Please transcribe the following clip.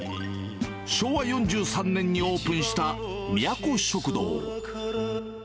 昭和４３年にオープンしたみやこ食堂。